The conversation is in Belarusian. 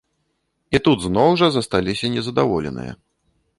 І тут зноў жа засталіся незадаволеныя.